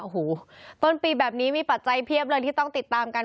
โอ้โหต้นปีแบบนี้มีปัจจัยเพียบเลยที่ต้องติดตามกัน